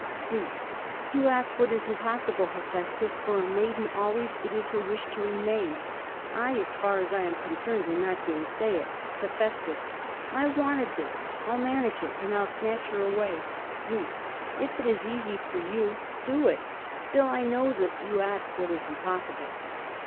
Zeus. "You ask what is impossible, Hephæstus, for a maiden always it is her wish to remain. I, as far as I am concerned, do not gainsay it." Heph. "I wanted this. I'll manage it and I'll snatch her away." Zeus. "If it is easy for you, do it. Still I know that you ask what is impossible."